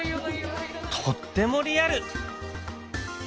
とってもリアル！